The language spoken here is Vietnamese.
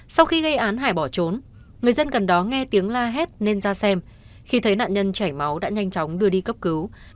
sau khi gây án hải bỏ trốn người dân gần đó nghe tiếng la hét nên ra xem khi thấy nạn nhân chảy máu đã nhanh chóng đưa đi cấp cứu